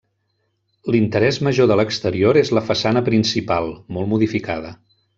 L'interès major de l'exterior és la façana principal, molt modificada.